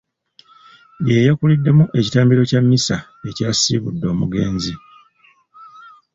Ye yakuliddemu ekitambiro kya mmisa ekyasiibudde omugenzi.